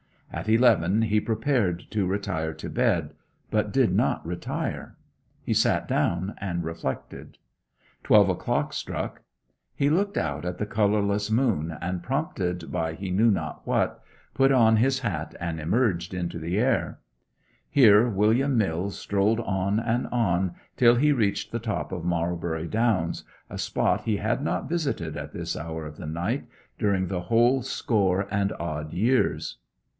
At eleven he prepared to retire to bed but did not retire. He sat down and reflected. Twelve o'clock struck; he looked out at the colourless moon, and, prompted by he knew not what, put on his hat and emerged into the air. Here William Mills strolled on and on, till he reached the top of Marlbury Downs, a spot he had not visited at this hour of the night during the whole score and odd years.